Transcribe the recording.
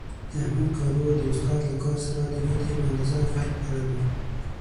د احمد کارو د استاد له کار سره د ګوتې په اندازې فرق لرلو.